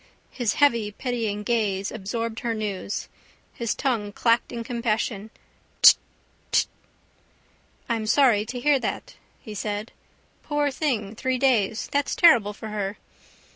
His heavy pitying gaze absorbed her news. His tongue clacked in compassion. Dth! Dth! —I'm sorry to hear that, he said. Poor thing! Three days! That's terrible for her.